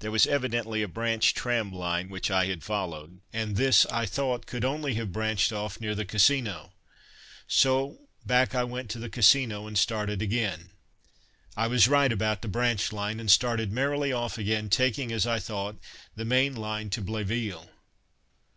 There was evidently a branch tram line, which I had followed, and this I thought could only have branched off near the Casino, so back I went to the Casino and started again. I was right about the branch line, and started merrily off again, taking as I thought the main line to Bléville.